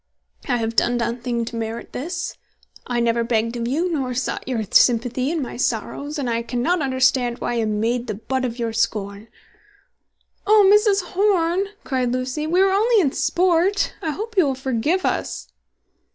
"I have done nothing to merit this. I never begged of you, nor sought your sympathy in my sorrows, and I cannot understand why I am made the butt of your scorn." "Oh, Mrs. Horn," cried Lucy, "we were only in sport! I hope you will forgive us."